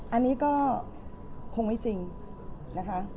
อันนี้ก็คงไม่จริงนะคะ